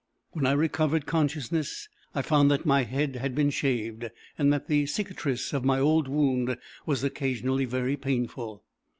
When I recovered consciousness, I found that my head had been shaved, and that the cicatrice of my old wound was occasionally very painful.